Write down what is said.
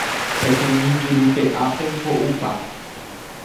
Peteĩ jurupe'ápe ho'upa.